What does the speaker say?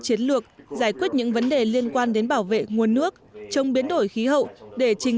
chiến lược giải quyết những vấn đề liên quan đến bảo vệ nguồn nước chống biến đổi khí hậu để trình